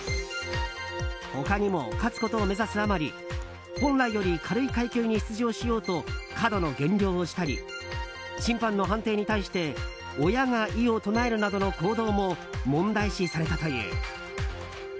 他にも勝つことを目指すあまり本来より軽い階級に出場しようと過度の減量をしたり審判の判定に対して親が異を唱えるなどの行動も問題視されたという。